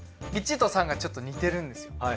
１と３がちょっと似てるんですよ。